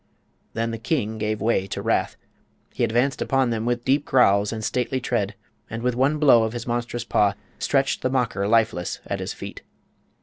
Then the king gave way to wrath. He advanced upon them with deep growls and stately tread and with one blow of his monstrous paw stretched the mocker lifeless at his feet.